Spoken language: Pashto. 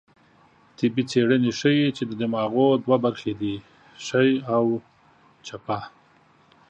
طبي څېړنې ښيي، چې د دماغو دوه برخې دي؛ ښۍ او چپه